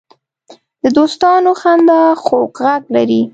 د دوستانو خندا خوږ غږ لري